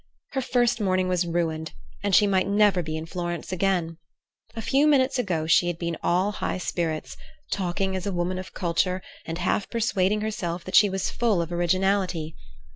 Her first morning was ruined, and she might never be in Florence again. A few minutes ago she had been all high spirits, talking as a woman of culture, and half persuading herself that she was full of originality.